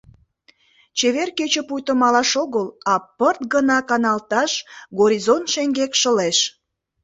Чевер кече пуйто малаш огыл, а пырт гына каналташ горизонт шеҥгек шылеш.